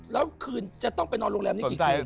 แล้วคืนจะต้องไปนอนโรงแรมนี้กี่คืน